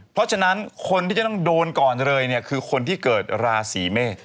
เพราะฉะนั้นคนที่จะต้องโดนก่อนเลยเนี่ยคือคนที่เกิดราศีเมษ